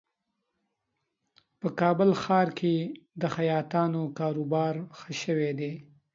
په کابل ښار کې د خیاطانو کاروبار ښه شوی دی